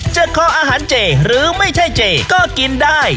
คออาหารเจหรือไม่ใช่เจก็กินได้